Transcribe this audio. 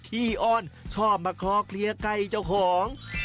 ้อ้อนชอบมาคลอเคลียร์ไก่เจ้าของ